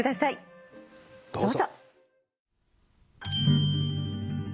どうぞ。